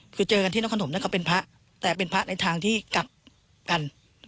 คือเจอกันที่นครนมนั่นก็เป็นพระแต่เป็นพระในทางที่กลับกัน